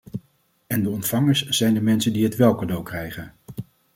En de ontvangers zijn de mensen die het wél cadeau krijgen.